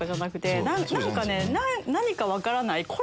何か分からない。